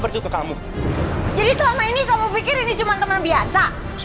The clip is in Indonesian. pergi ke kamu jadi selama ini kamu pikir ini cuma teman biasa